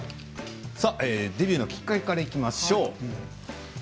デビューのきっかけからいきましょう。